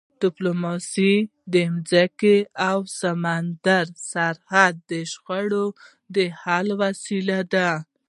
ډیپلوماسي د ځمکني او سمندري سرحدي شخړو د حل وسیله ده.